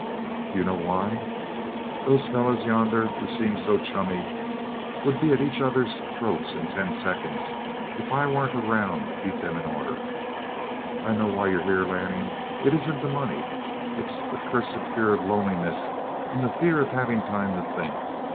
"Do you know why? Those fellows yonder, who seem so chummy, would be at each other's throats in ten seconds if I weren't around to keep them in order. I know why you're here, Lanning. It isn't the money. It's the cursed fear of loneliness and the fear of having time to think.